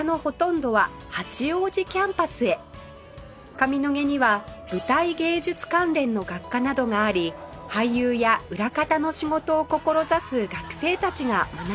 上野毛には舞台芸術関連の学科などがあり俳優や裏方の仕事を志す学生たちが学んでいます